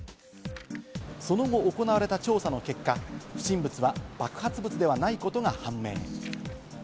その後、行われた調査の結果、不審物は爆発物ではないことが判明。